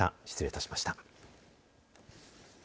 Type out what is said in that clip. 失礼いたしました。